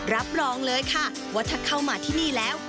รับรองเลยค่ะว่าถ้าเข้ามาที่นี่แล้ว